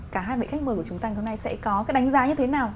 cả hai vị khách mời của chúng ta ngày hôm nay sẽ có cái đánh giá như thế nào